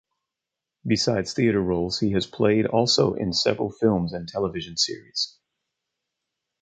Besides theatre roles he has played also in several films and television series.